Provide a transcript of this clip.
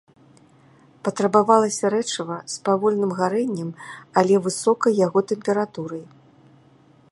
Патрабавалася рэчыва з павольным гарэннем, але высокай яго тэмпературай.